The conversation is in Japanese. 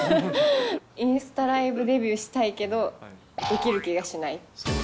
インスタライブデビューしたいけど、できる気がしない。